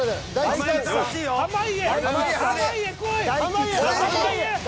濱家！